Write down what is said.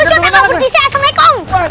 ustaz aku berdisiah sama ikung